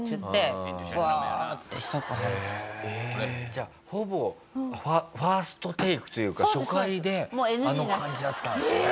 じゃあほぼファーストテイクというか初回であの感じだったんですね。